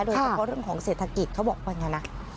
โดยเฉพาะเรื่องของเศรษฐกิจเขาบอกว่าอย่างนั้นนะ